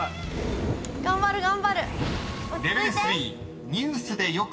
頑張る頑張る。